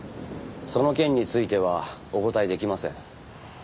その件についてはお答えできません。